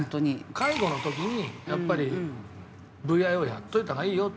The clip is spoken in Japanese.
介護の時にやっぱりＶＩＯやっておいた方がいいよっていうのがあって。